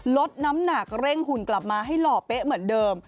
ลดน้ำหนักเร่งหุ่นกลับมาให้หล่อเป๊ะเหมือนเดิม